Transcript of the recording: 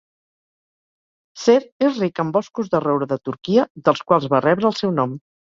Cer és ric en boscos de roure de Turquia, dels quals va rebre el seu nom.